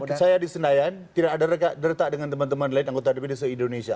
dan saya disendayakan tidak ada retak dengan teman teman lain anggota dprd se indonesia